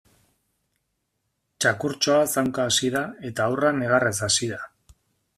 Txakurtxoa zaunka hasi da eta haurra negarrez hasi da.